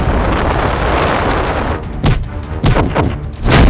tidak ada yang lebih sakti dariku